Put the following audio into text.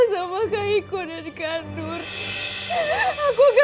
semoga bagoutan jidran puedes serba luluh ini